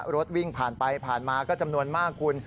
รถวิ่งผ่านไปผ่านมาก็จำนวนมากคุณ